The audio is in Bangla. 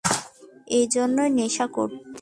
এজন্যই নেশা করতে?